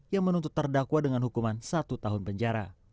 yang menuntut terdakwa dengan hukuman satu tahun penjara